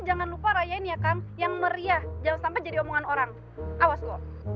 sampai jadi omongan orang awas lo